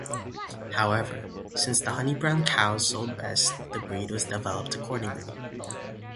However, since the honey-brown cows sold best the breed was developed accordingly.